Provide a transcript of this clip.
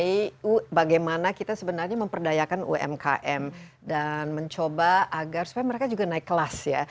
itu bagaimana kita sebenarnya memperdayakan umkm dan mencoba agar supaya mereka juga naik kelas ya